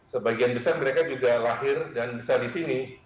sebagian besar mereka juga lahir dan bisa di sini